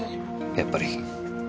やっぱり。